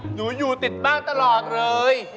หนูอยู่ติดบ้านตลอดเลย